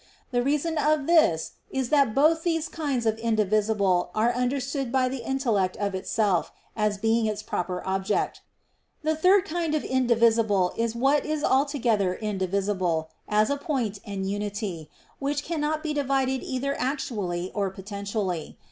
The reason of this is that both these kinds of indivisible are understood by the intellect of itself, as being its proper object. The third kind of indivisible is what is altogether indivisible, as a point and unity, which cannot be divided either actually or potentially.